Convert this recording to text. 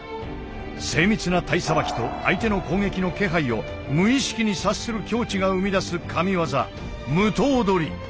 精密な体さばきと相手の攻撃の気配を無意識に察する境地が生み出す神技無刀捕。